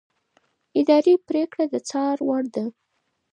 اداري پرېکړه د څار وړ ده.